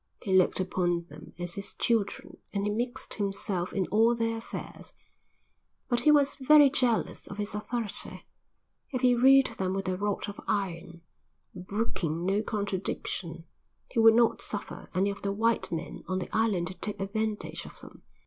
He looked upon them as his children and he mixed himself in all their affairs. But he was very jealous of his authority; if he ruled them with a rod of iron, brooking no contradiction, he would not suffer any of the white men on the island to take advantage of them.